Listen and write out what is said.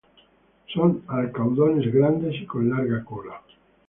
Son alcaudones grandes y con larga cola.